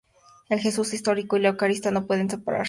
El Jesús histórico y la Eucaristía no pueden separarse.